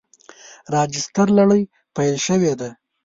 راجستر لړۍ پیل شوې ده.